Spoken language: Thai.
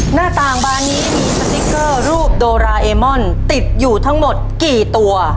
หน้าต่างบานนี้มีสติ๊กเกอร์รูปโดราเอมอนติดอยู่ทั้งหมดกี่ตัว